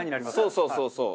そうそうそうそう。